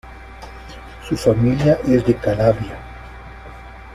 Su familia es de Calabria.